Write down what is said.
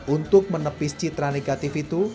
untuk menepis citra negatif itu